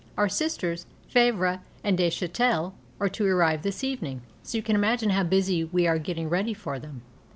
Our Sisters (Favre and de Châtel) are to arrive this evening, so you can imagine how busy we are getting ready for them.